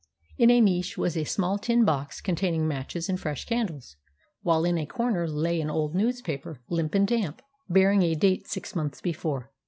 In a niche was a small tin box containing matches and fresh candles, while in a corner lay an old newspaper, limp and damp, bearing a date six months before.